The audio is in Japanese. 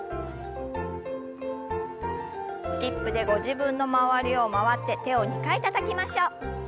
スキップでご自分の周りを回って手を２回たたきましょう。